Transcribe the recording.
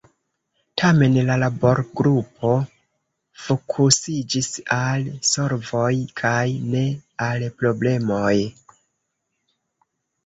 Tamen la laborgrupo fokusiĝis al solvoj kaj ne al problemoj.